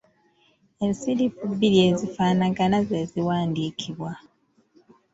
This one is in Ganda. Ensirifu bbiri ezifaanagana ze ziwandiikibwa.